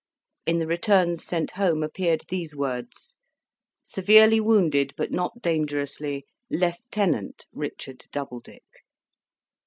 In the returns sent home appeared these words: "Severely wounded, but not dangerously, Lieutenant Richard Doubledick."